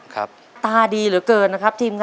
๔๕ขวบครับ